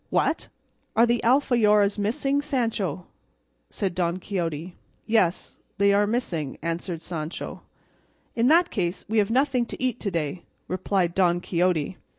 "What! are the alforjas missing, Sancho?" said Don Quixote. "Yes, they are missing," answered Sancho. "In that case we have nothing to eat to day," replied Don Quixote.